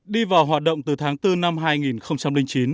đi vào hoạt động từ tháng bốn năm hai nghìn chín